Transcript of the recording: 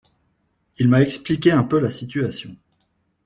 Il m'a expliqué un peu la situation.